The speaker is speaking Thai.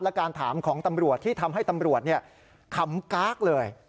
และการถามของตำรวจที่ทำให้ตำรวจขำก๊ากเลย